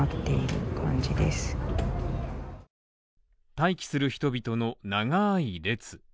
待機する人々の長い列。